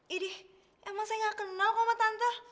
ini emang saya gak kenal sama tante